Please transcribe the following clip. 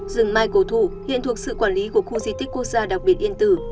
rừng mai cổ thụ hiện thuộc sự quản lý của khu di tích quốc gia đặc biệt yên tử